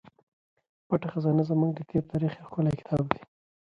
پټه خزانه زموږ د تېر تاریخ یو ښکلی کتاب دی.